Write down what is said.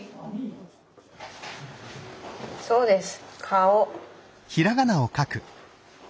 そうです。